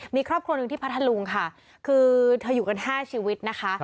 มีครอบครัวหนึ่งที่พัทธลุงค่ะคือเธออยู่กัน๕ชีวิตนะคะ